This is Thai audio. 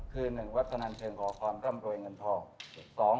คือ๑วัฒนันเชิงขอความร่ำรวยเงินทอง